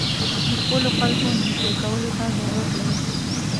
د خپلو خلکو نېږدې کولو ته ضرورت لرو.